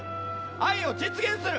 愛を実現する。